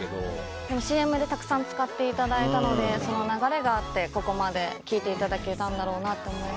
でも、ＣＭでたくさん使っていただいたのでその流れがあってここまで聴いていただけたんだろうなと思います。